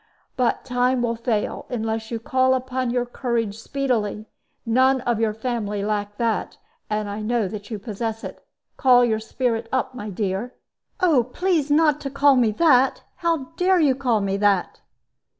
But time will fail, unless you call upon your courage speedily. None of your family lack that; and I know that you possess it. Call your spirit up, my dear." "Oh, please not to call me that! How dare you call me that?"